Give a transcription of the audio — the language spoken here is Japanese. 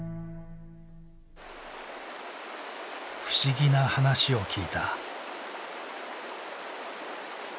不思議な話を聞いた。